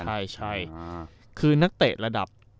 ใช่คือนักเตะระดับ